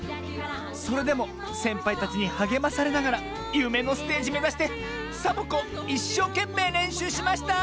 それでもせんぱいたちにはげまされながらゆめのステージめざしてサボ子いっしょうけんめいれんしゅうしました！